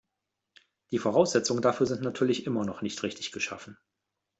Die Voraussetzungen dafür sind natürlich immer noch nicht richtig geschaffen.